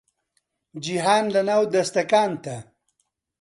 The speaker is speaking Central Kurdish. جیهان لەناو دەستەکانتە